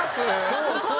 そうそう！